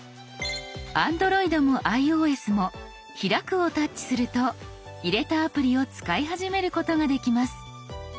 ＡｎｄｒｏｉｄもｉＯＳも「開く」をタッチすると入れたアプリを使い始めることができます。